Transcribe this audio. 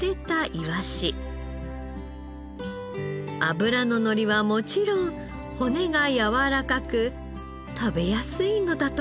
脂ののりはもちろん骨がやわらかく食べやすいのだとか。